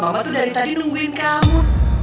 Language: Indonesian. bapak tuh dari tadi nungguin kamu